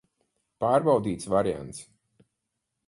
Pārbaudīts variants.